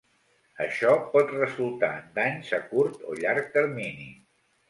Això pot resultar en danys a curt o llarg termini.